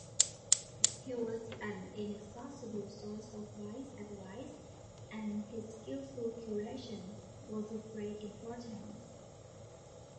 He was an inexhaustible source of wise advice, and his skillful curation was of great importance.